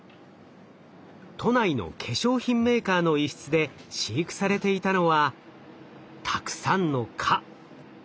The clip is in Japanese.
都内の化粧品メーカーの一室で飼育されていたのはたくさんの蚊！